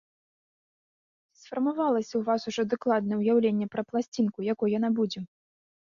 Ці сфармавалася ў вас ужо дакладнае ўяўленне пра пласцінку, якой яна будзе?